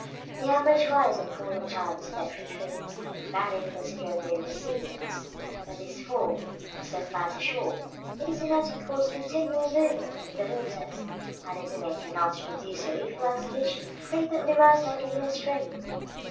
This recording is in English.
§ VI. The average rise and fall of the tide is about three feet (varying considerably with the seasons); but this fall, on so flat a shore, is enough to cause continual movement in the waters, and in the main canals to produce a reflux which frequently runs like a mill stream.